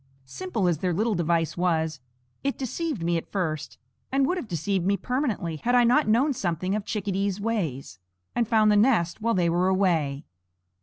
Simple as their little device was, it deceived me at first, and would have deceived me permanently had I not known something of chickadees' ways, and found the nest while they were away.